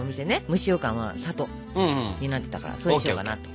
蒸しようかんは「里」になってたからそうしようかなと。